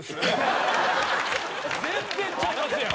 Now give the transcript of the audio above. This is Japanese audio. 全然ちゃいますやん！